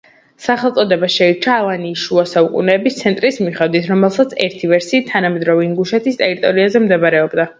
სახელწოდება შეირჩა ალანიის შუა საუკუნეების ცენტრის მიხედვით, რომელიც, ერთი ვერსიით, თანამედროვე ინგუშეთის ტერიტორიაზე მდებარეობდა.